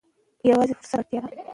یوازې فرصت ته اړتیا ده.